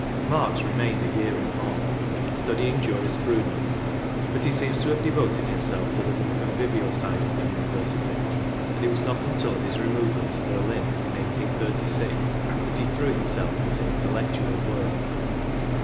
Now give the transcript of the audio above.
Marx remained a year in Bonn, studying jurispru dence ; but he seems to have devoted himself to the more convivial side of the University, and it was not until his removal to Berlin, in 1836, that he threw himself into intellectual work.